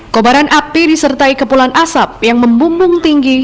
kobaran api disertai kepulan asap yang membumbung tinggi